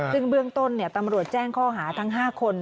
ซึ่งเบื้องต้นตำรวจแจ้งข้อหาทั้ง๕คน